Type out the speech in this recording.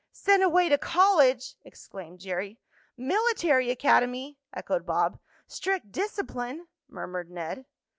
"Sent away to college!" exclaimed Jerry. "Military academy!" echoed Bob. "Strict discipline!" murmured Ned.